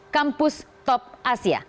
kampus top asia